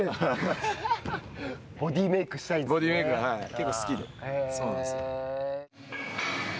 結構好きで。